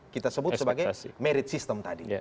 kita sebut sebagai merit system tadi